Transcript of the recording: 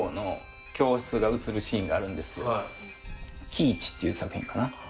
『キーチ！！』っていう作品かな。